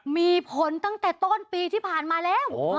มีผลตั้งแต่ต้นปีที่ผ่านมาแล้ว